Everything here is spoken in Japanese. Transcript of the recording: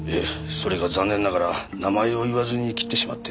それが残念ながら名前を言わずに切ってしまって。